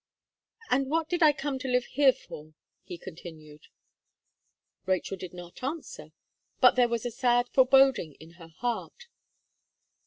"And what did I come to live here for?" he continued. Rachel did not answer; but there was a sad foreboding in her heart.